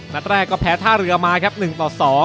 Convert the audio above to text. นัดแรกก็แพ้ท่าเรือมาครับ๑ต่อ๒